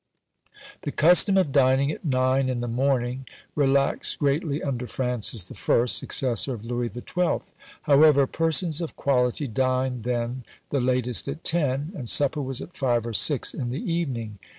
The custom of dining at nine in the morning relaxed greatly under Francis I., successor of Louis XII. However, persons of quality dined then the latest at ten; and supper was at five or six in the evening.